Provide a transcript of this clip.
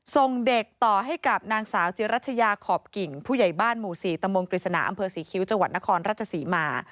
ส่งเด็กต่อให้กับนางสาวจิรัชยาขอบกิ่งผู้ใหญ่บ้านหมู่๔ตมกฤษณาอำเภอศรีคิ้วจังหวัดนครราชศรีมา